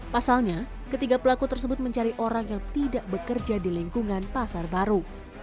pasalnya ketiga pelaku tersebut mencari orang yang tidak bekerja di lingkungan pasar baru